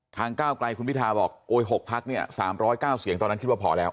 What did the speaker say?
ก้าวไกลคุณพิทาบอกโอ้ย๖พักเนี่ย๓๐๙เสียงตอนนั้นคิดว่าพอแล้ว